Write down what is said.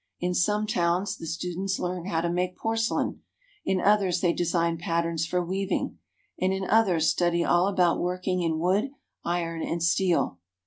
In some towns the students learn how to make porcelain, in others they design patterns for weaving, and in others study all about working in wood, iron, and steel.